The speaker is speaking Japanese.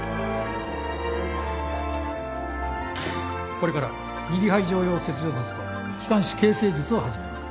これから右肺上葉切除術と気管支形成術を始めます。